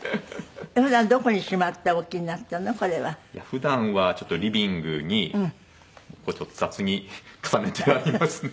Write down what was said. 普段はちょっとリビングにこうちょっと雑に重ねてありますね。